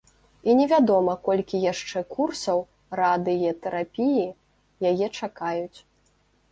І невядома, колькі яшчэ курсаў радыетэрапіі яе чакаюць.